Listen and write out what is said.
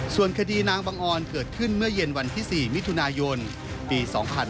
ส่วนคดีนางบังออนเกิดขึ้นเมื่อเย็นวันที่๔มิถุนายนปี๒๕๕๙